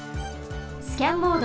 スキャンモード。